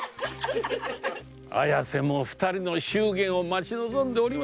綾瀬も二人の祝言を待ち望んでおりましょう。